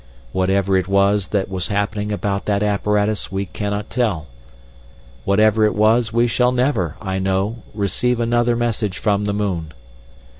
Whatever it was that was happening about that apparatus we cannot tell. Whatever it was we shall never, I know, receive another message from the moon.